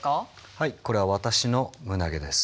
はいこれは私の胸毛です。